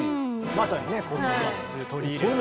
まさにねこの３つ取り入れて。